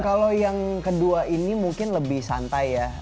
kalau yang kedua ini mungkin lebih santai ya